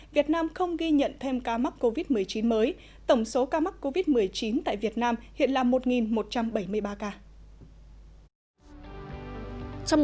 việt nam không ghi nhận thêm ca mắc covid một mươi chín mới tổng số ca mắc covid một mươi chín tại việt nam hiện là một một trăm bảy mươi ba ca